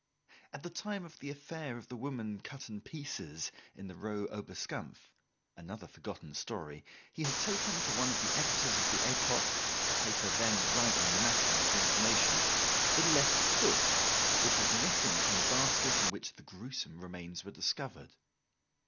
At the time of the affair of the woman cut in pieces in the Rue Oberskampf another forgotten story he had taken to one of the editors of the "Epoque," a paper then rivalling the "Matin" for information, the left foot, which was missing from the basket in which the gruesome remains were discovered.